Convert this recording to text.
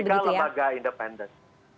kpk lembaga independen